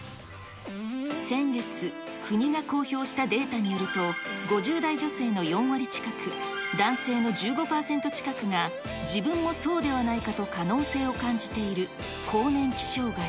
先月、国が公表したデータによると、５０代女性の４割近く、男性の１５％近くが、自分もそうではないかと可能性を感じている、更年期障害。